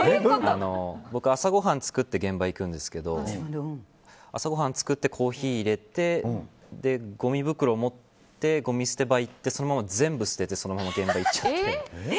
僕、朝ごはん作って現場行くんですけど朝ごはんを作ってコーヒーをいれてごみ袋を持ってごみ捨て場に行ってそのまま全部捨ててそのまま現場行っちゃって。